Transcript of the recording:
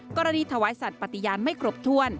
กรณีถวายสัตว์ปฏิญาณไม่ครบถ้วน